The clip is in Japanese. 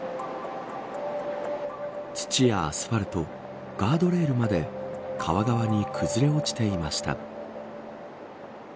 土やアスファルトガードレールまで川側に崩れ落ちていました。